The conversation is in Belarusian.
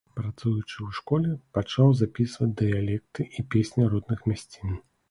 Працуючы ў школе, пачаў запісваць дыялекты і песні родных мясцін.